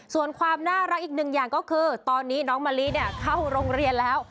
ส่วนความน่ารักอีกหนึ่งอย่างก็คือตอนนี้น้องมะลิเข้าโรงเรียนแล้ว